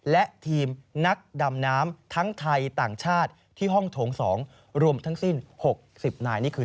และทีมนักดำน้ำทั้งไทยต่างชาติที่ห้องโถง๒รวมทั้งสิ้น๖๐นายนี่คือ